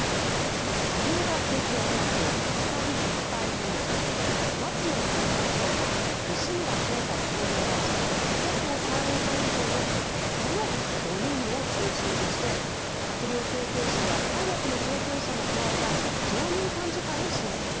萩生田政調会長、高木国対委員長松野官房長官西村経済産業大臣世耕参院幹事長のこの５人を中心として閣僚経験者や三役の経験者も加えた常任幹事会を新設。